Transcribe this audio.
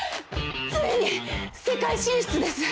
ついに世界進出です！